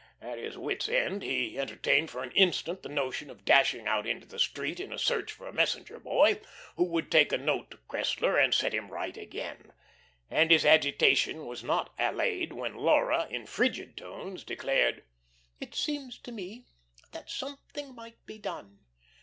At his wits' end, he entertained for an instant the notion of dashing out into the street in a search for a messenger boy, who would take a note to Cressler and set him right again; and his agitation was not allayed when Laura, in frigid tones, declared: "It seems to me that something might be done."